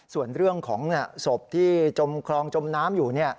ส่วนเรื่องของศพที่จมคลองจมน้ำอยู่